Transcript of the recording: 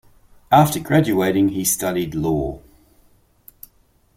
After graduating he studied law.